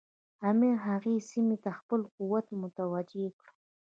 امیر هغې سیمې ته خپل قوت متوجه کړ.